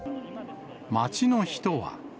街の人は。